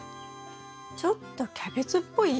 ちょっとキャベツっぽい？